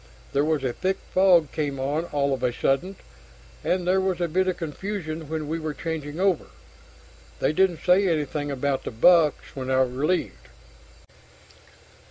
There was a thick fog came on all of a sudden, and there was a bit of confusion when we were changing over. They didn't say anything about the box when I relieved."